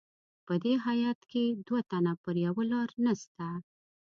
په دې هیات کې دوه تنه پر یوه لار نسته.